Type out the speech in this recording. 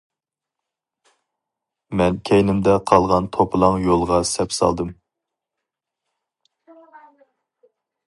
مەن كەينىمدە قالغان توپىلاڭ يولغا سەپ سالدىم.